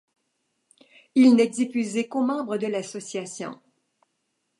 Il n'est diffusé qu'aux membres de l'association.